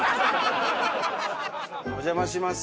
お邪魔します。